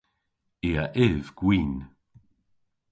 I a yv gwin.